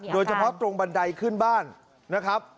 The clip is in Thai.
โดยเฉพาะตรงบันไดขึ้นบ้านนะครับ